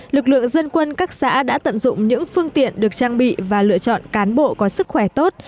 lực lượng dân quân các xã đã tận dụng những phương tiện được trang bị và lựa chọn cán bộ có sức khỏe tốt